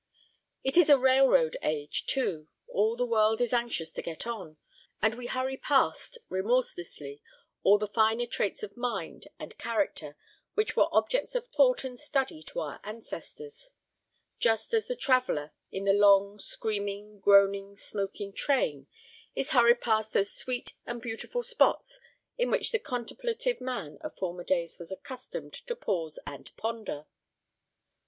It is a railroad age, too: all the world is anxious to get on, and we hurry past remorselessly all the finer traits of mind and character which were objects of thought and study to our ancestors, just as the traveller, in the long screaming, groaning, smoking train, is hurried past those sweet and beautiful spots in which the contemplative man of former days was accustomed to pause and ponder.